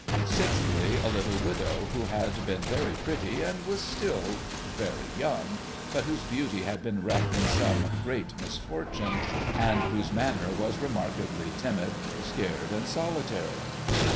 Sixthly, a little widow, who had been very pretty and was still very young, but whose beauty had been wrecked in some great mis fortune, and whose manner was remarkably timid, scared, and solitary.